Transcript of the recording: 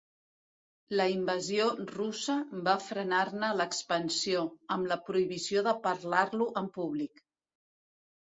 La invasió russa va frenar-ne l’expansió, amb la prohibició de parlar-lo en públic.